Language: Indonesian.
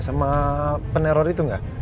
sama peneror itu nggak